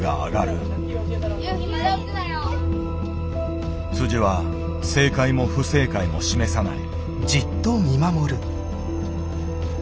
・ゆうひまだ打つなよ。は正解も不正解も示さない。